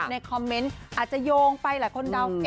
ในคอมเมนต์อาจจะโยงไปหลายคนเดา